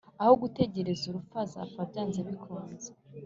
Aho gutekereza urupfu azapfa byanze bikunze,